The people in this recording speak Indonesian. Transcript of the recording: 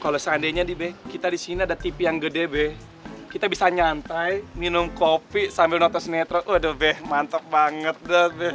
kalau seandainya nih kita di sini ada tv yang gede kita bisa nyantai minum kopi sambil nonton sinetron waduh mantep banget